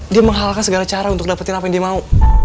dia menghalalkan segala cara untuk dapetin apa yang dia mau